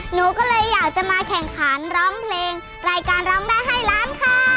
หนูก็เลยอยากจะมาแข่งขันร้องเพลงรายการร้องได้ให้ล้านค่ะ